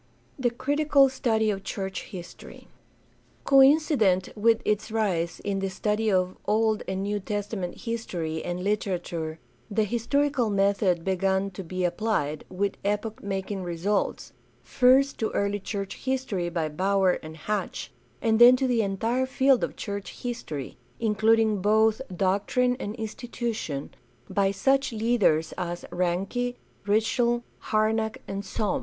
The critical study of church history. — Coincident with its rise in the study of Old and New Testament history and literature the historical method began to be applied, with epoch making results, first to early church history by Baur and Hatch, and then to the entire field of church history, including both doctrine and institution, by such leaders as Ranke, Ritschl, Harnack, and Sohm.